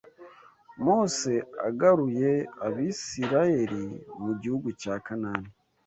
Mose agaruye Abisirayeli mu gihugu cya Kanani